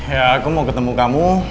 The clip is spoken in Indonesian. ya aku mau ketemu kamu